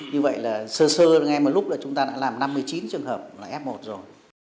như vậy là sơ sơ ngay lúc chúng ta đã làm năm mươi chín trường hợp f một rồi